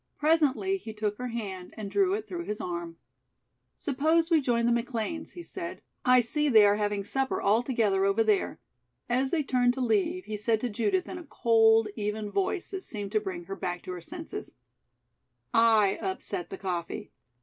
Presently he took her hand and drew it through his arm. "Suppose we join the McLeans," he said. "I see they are having supper all together over there." As they turned to leave, he said to Judith in a cold, even voice that seemed to bring her back to her senses: "I upset the coffee.